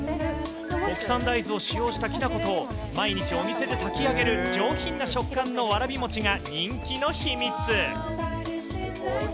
国産大豆を使用したきな粉と、毎日、お店で炊き上げる上品な食感のわらび餅が人気の秘密。